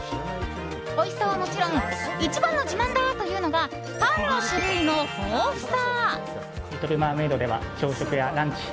おいしさはもちろん一番の自慢だというのがパンの種類の豊富さ。